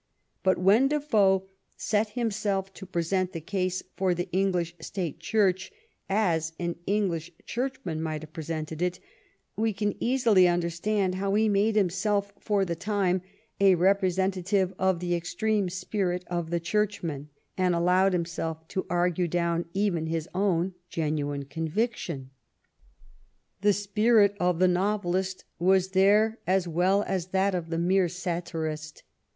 But when Defoe set himself to present the case for the English state Church as an English churchman might have presented it, we can easily understand how he made himself, for the time, a representative of the extreme spirit of the churchman and allowed himself to argue down even his own genuine conviction. The spirit of the novelist was there as well as that of the mere satirist.